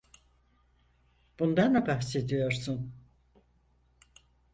Bundan mı bahsediyorsun?